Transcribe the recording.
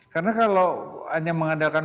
karena kalau hanya mengandalkan